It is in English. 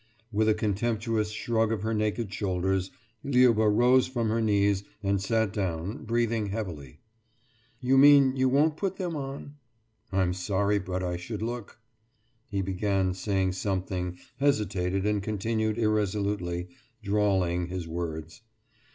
« With a contemptuous shrug of her naked shoulders, Liuba rose from her knees and sat down, breathing heavily. »You mean you won't put them on.« »I'm sorry, but I should look....« He began saying something, hesitated and continued irresolutely, drawling his words.